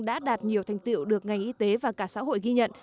đã đạt nhiều thành tiệu được ngành y tế và cả xã hội ghi nhận